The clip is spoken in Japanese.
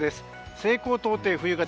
西高東低の冬型。